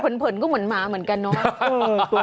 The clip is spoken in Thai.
เผินก็เหมือนหมาเหมือนกันเนาะ